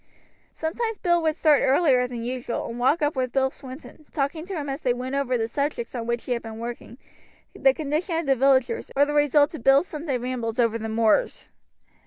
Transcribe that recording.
Sometimes Ned would start earlier than usual, and walk up with Bill Swinton, talking to him as they went over the subjects on which he had been working, the condition of the villagers, or the results of Bill's Sunday rambles over the moors.